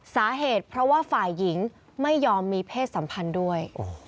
สาเหตุเพราะว่าฝ่ายหญิงไม่ยอมมีเพศสัมพันธ์ด้วย